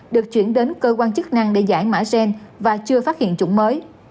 được chuyển đến cơ quan chức năng để giải mã gen và chưa phát hiện chủng mới